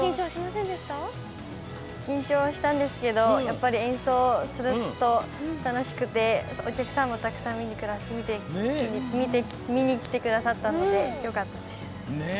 緊張したんですけど演奏すると楽しくて、お客さんもたくさん見に来てくださったのでよかったです。